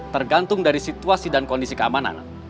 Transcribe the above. tergantung dari situasi dan kondisi keamanan